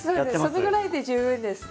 そのぐらいで十分です。